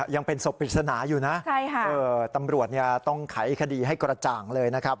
ยังเป็นศพปริศนาอยู่นะตำรวจต้องไขคดีให้กระจ่างเลยนะครับ